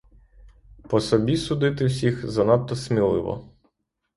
По собі судити всіх — занадто сміливо.